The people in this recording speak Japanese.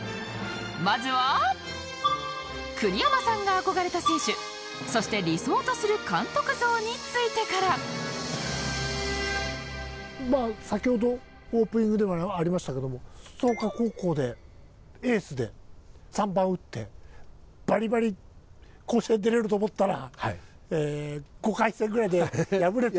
まずは栗山さんが憧れた選手そして理想とする監督像についてから先ほどオープニングでもありましたけども創価高校でエースで３番を打ってバリバリ甲子園出れると思ったら５回戦ぐらいで敗れて。